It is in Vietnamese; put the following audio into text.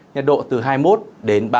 nhiệt độ từ hai mươi một đến ba mươi hai độ